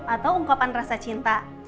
atau ungkapan rasa cinta